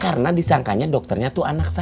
karena disangkanya dokternya tuh anak saya